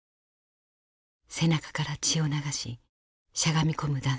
背中から血を流ししゃがみ込む男性。